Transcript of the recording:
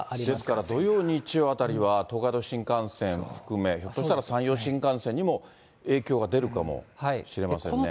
ですから、土曜、日曜あたりは、東海道新幹線含め、ひょっとしたら山陽新幹線にも影響が出るかもしれませんね。